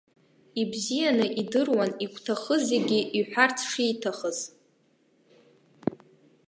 Ибзианы идыруан игәҭыха зегьы иҳәарц шиҭахыз.